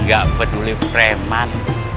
gak peduli preman